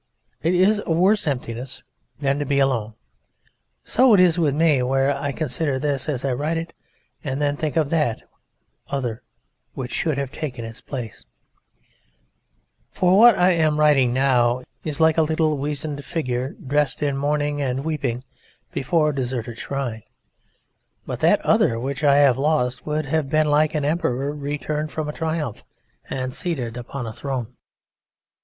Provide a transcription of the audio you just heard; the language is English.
It is a worse emptiness than to be alone. So it is with me when I consider this as I write it, and then think of That Other which should have taken its place; for what I am writing now is like a little wizened figure dressed in mourning and weeping before a deserted shrine, but That Other which I have lost would have been like an Emperor returned from a triumph and seated upon a throne.